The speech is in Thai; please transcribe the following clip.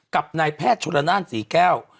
กับนายแพทย์ชุลนานศรีแก้ว